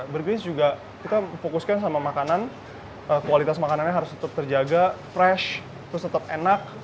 burges juga kita fokuskan sama makanan kualitas makanannya harus tetap terjaga fresh terus tetap enak